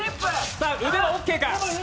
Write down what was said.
さあ、腕はオッケーか。